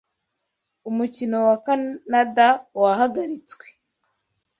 umukino wa Kanadawahagaritswe